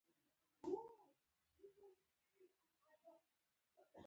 لوستې مو هم وې، پر هغو اعلامیو باندې.